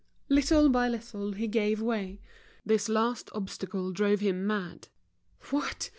Little by little he gave way, this last obstacle drove him mad. What!